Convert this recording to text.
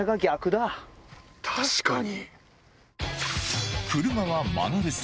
確かに。